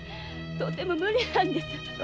とても無理なんです。